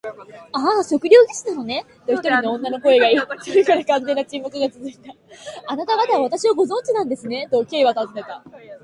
「ああ、測量技師なのね」と、一人の女の声がいい、それから完全な沈黙がつづいた。「あなたがたは私をご存じなんですね？」と、Ｋ はたずねた。